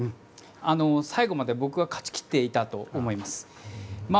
最後まで僕は勝ち切っていたと思います。